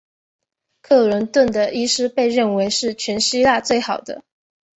克罗顿的医师被认为是全希腊最好的。